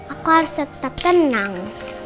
aku harus tetap tenang